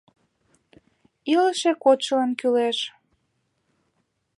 Илыше кодшылан кӱлеш.